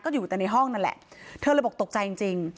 อยู่แต่ในห้องนั่นแหละเธอเลยบอกตกใจจริง